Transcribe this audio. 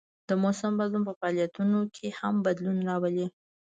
د موسم بدلون په فعالیتونو کې هم بدلون راولي